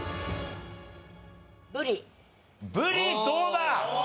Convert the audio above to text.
ブリどうだ？